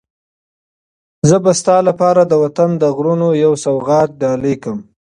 زه به ستا لپاره د وطن د غرونو یو سوغات ډالۍ کړم.